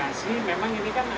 jadi memang ini kan ada